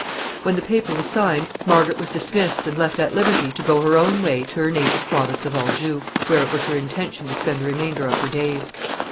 ] When the paper was signed Margaret was dismissed and left at liberty to go her own way to her native province of Anjou, where it was her intention to spend the remainder of her days.